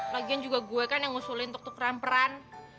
lagian juga gue kan yang ngusulin tuk tuk ramperan